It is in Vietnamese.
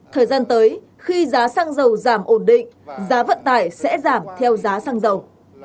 thời gian tới khi giá xăng dầu giảm ổn định giá vận tải sẽ giảm theo giá xăng dầu